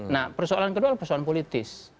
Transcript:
nah persoalan kedua adalah persoalan politis